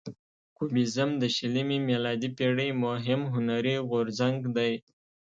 کوبیزم د شلمې میلادي پیړۍ مهم هنري غورځنګ دی.